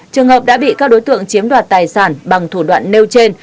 trường hợp đã bị các đối tượng chiếm đoạt tài sản bằng thủ đoạn nêu trên